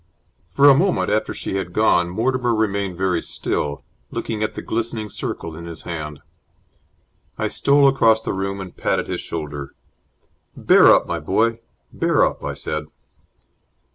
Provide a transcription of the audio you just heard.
For a moment after she had gone Mortimer remained very still, looking at the glistening circle in his hand. I stole across the room and patted his shoulder. "Bear up, my boy, bear up!" I said.